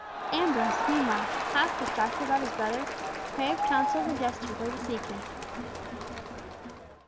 Ambrose, meanwhile, half distracted about his brother, craved counsel of the jester where to seek him.